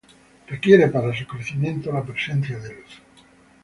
Requiere para su crecimiento la presencia de luz.